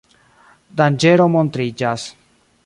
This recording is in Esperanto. Danĝero montriĝas.